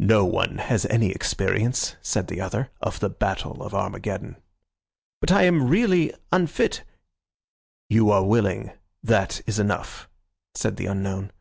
"No one has any experience," said the other, "of the Battle of Armageddon." "But I am really unfit—" "You are willing, that is enough," said the unknown.